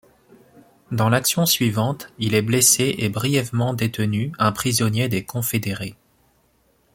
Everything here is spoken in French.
Dans l'action suivante, il est blessé et brièvement détenu un prisonnier des Confédérés.